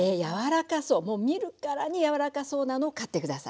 見るからに柔らかそうなのを買って下さい。